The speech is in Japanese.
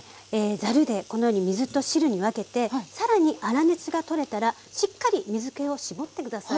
ざるでこのように水と汁に分けて更に粗熱が取れたらしっかり水けを絞って下さい。